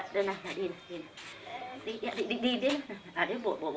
đi đi đi